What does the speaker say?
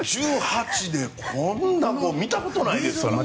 １８で、こんな子見たことないですから。